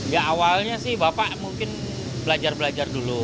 ya awalnya sih bapak mungkin belajar belajar dulu